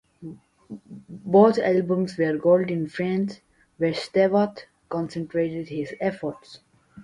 Both albums were Gold in France, where Stewart concentrated his efforts.